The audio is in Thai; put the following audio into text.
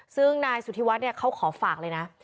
ซึ่งนายสุธิวัฒน์เขาขอฝากเลยนะ